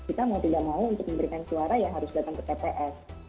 kita mau tidak mau untuk memberikan suara ya harus datang ke tps